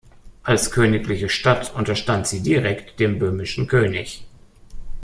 Als königliche Stadt unterstand sie direkt dem böhmischen König.